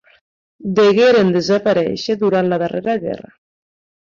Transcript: Degueren desaparèixer durant la darrera guerra.